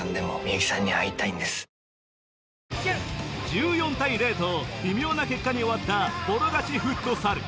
１４対０と微妙な結果に終わったボロ勝ちフットサル